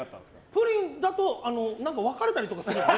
プリンだと分かれたりとかするんで。